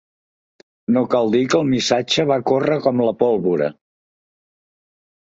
No cal dir que el missatge va córrer com la pólvora.